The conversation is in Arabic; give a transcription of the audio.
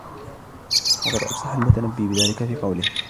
وَقَدْ أَفْصَحَ الْمُتَنَبِّي بِذَلِكَ فِي قَوْلِهِ